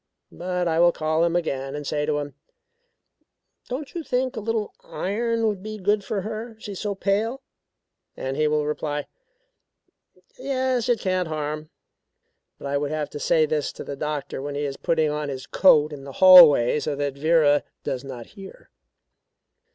But I will call him again and say to him: 'Don't you think a little iron would be good for her, she is so pale?' And he will reply: 'Yes, it can't harm.' But I would have to say this to the doctor when he is putting on his coat in the hallway so that Vera does not hear.